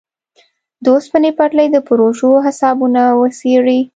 د اوسپنې پټلۍ د پروژو حسابونه وڅېړي.